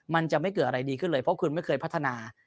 มันจะไม่เกิดอะไรดีขึ้นเลยเพราะคุณไม่เคยพัฒนา